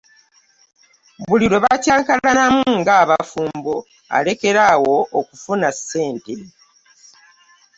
Buli lwe bakaynkalanamu nga abafumbo alekera awo okufuna sente .